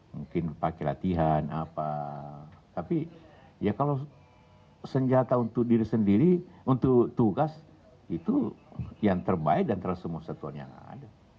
mungkin pakai latihan apa tapi ya kalau senjata untuk diri sendiri untuk tugas itu yang terbaik antara semua satuan yang ada